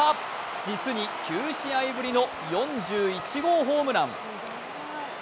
実に９試合ぶりの４１号ホームラン。